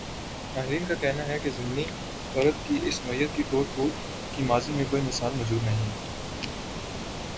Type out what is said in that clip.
ماہرین کا کہنا ہی کہ زمینی پرت کی اس نوعیت کی ٹوٹ پھوٹ کی ماضی میں کوئی مثال موجود نہیں ا